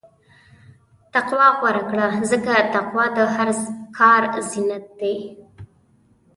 تقوی غوره کړه، ځکه تقوی د هر کار زینت دی.